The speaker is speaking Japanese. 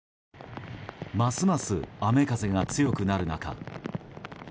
ますます雨風が強くなる中。